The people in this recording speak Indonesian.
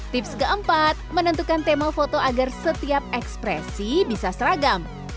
tips keempat menentukan tema foto agar setiap ekspresi bisa seragam